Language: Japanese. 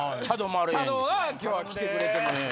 チャドが今日は来てくれてます。